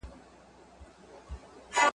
چي واكواګي يې د واکمنو او پاچاهانو